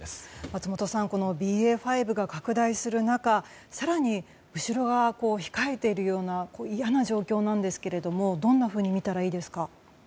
松本さん、ＢＡ．５が拡大する中、更に後ろが控えているような嫌な状況なんですがどんなふうに見たらいいですか。